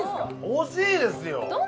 ほしいですよ